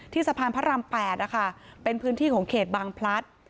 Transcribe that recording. สะพานพระราม๘นะคะเป็นพื้นที่ของเขตบางพลัด